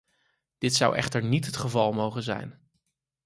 Dit zou echter niet het geval mogen zijn!